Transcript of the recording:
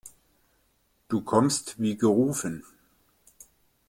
Du kommst wie gerufen.